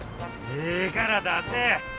ええから出せ！